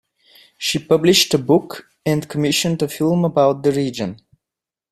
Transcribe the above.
She published a book and commissioned a film about the region.